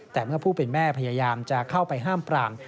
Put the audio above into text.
แต่เมื่อผู้เป็นแม่พยายามจะเข้าไปห้ามปราม